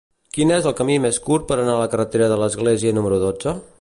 Quin és el camí més curt per anar a la carretera de l'Església número dotze?